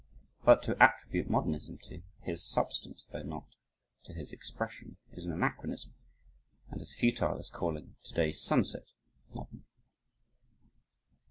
But to attribute modernism to his substance, though not to his expression, is an anachronism and as futile as calling today's sunset modern.